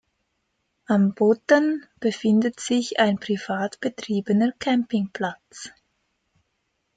Am Bodden befindet sich ein privat betriebener Campingplatz.